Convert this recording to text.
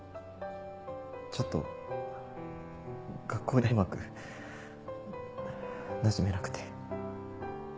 ちょっと学校でうまくなじめなくて。